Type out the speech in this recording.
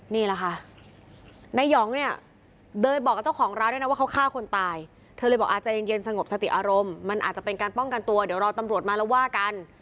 นี่แหละค่ะนายองเนี่ยโดยบอกกับเจ้าของร้านด้วยนะว่าเขาฆ่าคนตายเธอเลยบอกอาจจะเย็นสงบสติอารมณ์มันอาจจะเป็นการป้องกันตัวเดี๋ยวรอตำรวจมาแล้วว่ากัน